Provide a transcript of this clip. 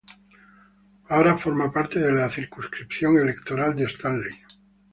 Ahora forma parte de la circunscripción electoral de Stanley.